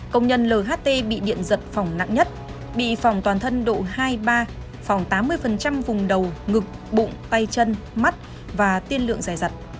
công nhân l h t bị điện giật phỏng nặng nhất bị phỏng toàn thân độ hai ba phỏng tám mươi vùng đầu ngực bụng tay chân mắt và tiên lượng dài giật